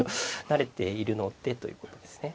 慣れているのでということですね。